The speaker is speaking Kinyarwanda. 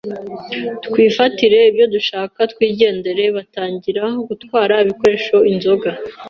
twifatire ibyo dushaka twigendere" batangira gutwara ibikoresho, inzoga...